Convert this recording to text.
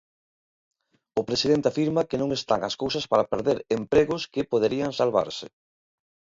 O presidente afirma que non están as cousas para perder empregos que poderían salvarse.